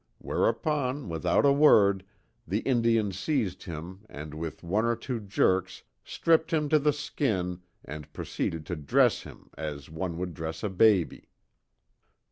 Whereupon, without a word, the Indian seized him and with one or two jerks stripped him to the skin and proceeded to dress him as one would dress a baby.